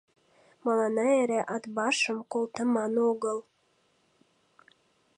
Мыланна эре Атбашым колтыман огыл.